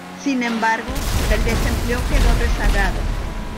Sin embargo, el desempleo quedó rezagado.